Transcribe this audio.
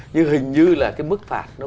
nhưng hình như là cái mức phạt nó không đủ